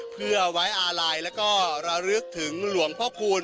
เพื่อว้ายอาลายและราฤทธิ์ถึงหลวงพ่อคูณ